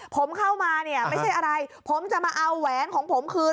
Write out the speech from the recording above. ผมเข้ามาเนี่ยไม่ใช่อะไรผมจะมาเอาแหวนของผมคืน